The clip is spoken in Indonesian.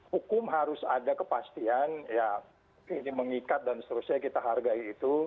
hukum harus ada kepastian ya ini mengikat dan seterusnya kita hargai itu